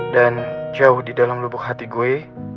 dan jauh di dalam lubuk hati gue